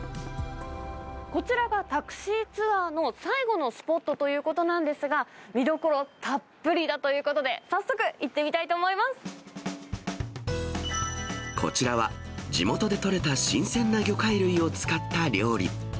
こちらがタクシーツアーの最後のスポットということなんですが、見どころたっぷりだということで、こちらは、地元で取れた新鮮な魚介類を使った料理。